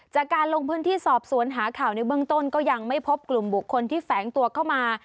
จากการลงพื้นที่สอบสวนหาข่าวในเบื้องต้นก็ยังไม่พบกลุ่มบุคคลที่แฝงตัวเข้ามา